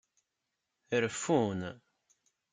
Reffun.